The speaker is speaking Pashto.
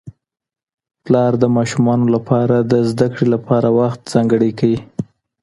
پلار د ماشومانو لپاره د زده کړې لپاره وخت ځانګړی کوي